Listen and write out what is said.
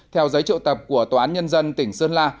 theo giấy triệu tập của tòa án nhân dân tỉnh sơn la